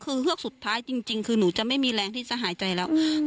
คือเฮือกสุดท้ายจริงคือหนูจะไม่มีแรงที่จะหายใจแล้ว